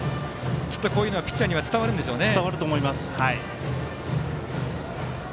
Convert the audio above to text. きっとこういうのがピッチャーに伝わるんでしょうね。